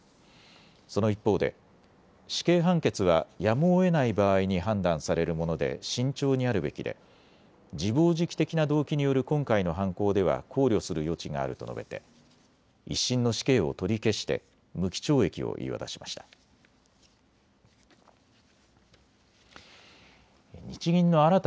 その一方で死刑判決はやむをえない場合に判断されるもので慎重にあるべきで自暴自棄的な動機による今回の犯行では考慮する余地があると述べて１１審の死刑を取り消して無期懲役を言い渡しました。